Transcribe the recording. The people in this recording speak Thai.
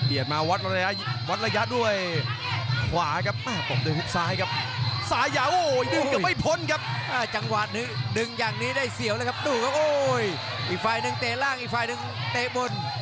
อีกฝ่ายนึงเตะล่างอีกฝ่ายนึงเตะบน